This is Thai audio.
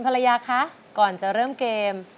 คุณภรรยาคะก่อนจะเริ่มเกม